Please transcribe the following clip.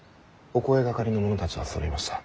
お声がかりの者たちはそろいました。